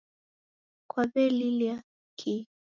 Kwaw'elila kwaki?